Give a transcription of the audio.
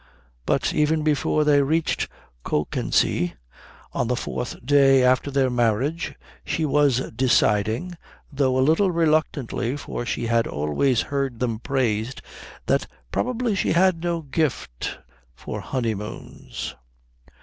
But even before they reached Kökensee on the fourth day after their marriage she was deciding, though a little reluctantly for she had always heard them praised, that probably she had no gift for honeymoons.